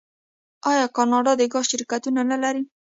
آیا کاناډا د ګاز شرکتونه نلري؟